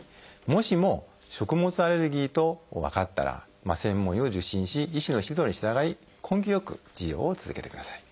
もしも食物アレルギーと分かったら専門医を受診し医師の指導に従い根気よく治療を続けてください。